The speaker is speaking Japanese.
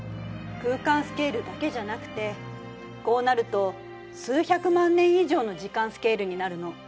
空間スケールだけじゃなくてこうなると数百万年以上の時間スケールになるの。